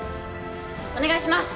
お願いします！